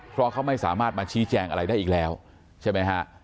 เพราะเขาไม่สามารถมาชี้แจงอะไรได้อีกแล้วใช่ไหมฮะ